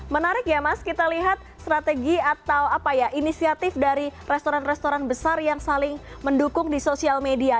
menarik ya mas kita lihat strategi atau apa ya inisiatif dari restoran restoran besar yang saling mendukung di sosial media